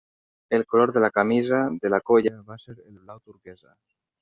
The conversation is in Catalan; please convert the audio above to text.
El color de la camisa de la colla va ser el blau turquesa.